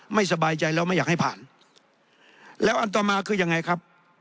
ไม่สบายใจแล้วไม่อยากให้ผ่านแล้วอันต่อมาคือยังไงครับ